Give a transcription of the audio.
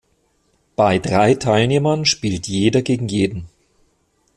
Bei drei Teilnehmern spielt jeder gegen jeden.